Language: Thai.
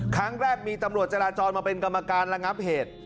ครั้งแรกมีตำรวจจราจรมาเป็นกรรมการระงับเหตุ